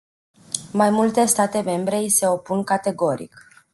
Mai multe state membre i se opun categoric.